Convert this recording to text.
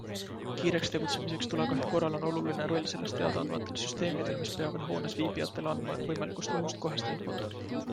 Kiireks tegutsemiseks tulekahju korral on oluline roll sellest teada andvatel süsteemidel, mis peavad hoones viibijatele andma võimalikust ohust kohest infot.